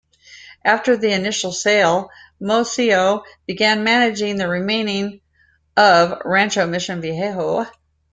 After the initial sale, Moiso began managing the remaining of Rancho Mission Viejo.